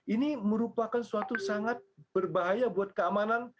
ini merupakan sesuatu yang sangat berbahaya buat keamanan